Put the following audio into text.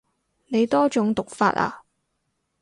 你多種讀法啊